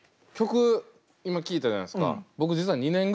曲今聴いたじゃないですか。